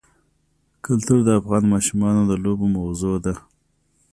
کلتور د افغان ماشومانو د لوبو موضوع ده.